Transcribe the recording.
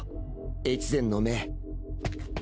越前の目。